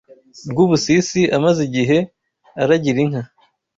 Rwubusisi amaze igihe aragira inka